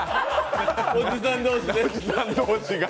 おじさん同士が。